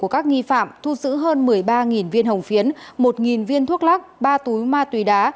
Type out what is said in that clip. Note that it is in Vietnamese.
các nghi phạm thu giữ hơn một mươi ba viên hồng phiến một viên thuốc lắc ba túi ma túy đá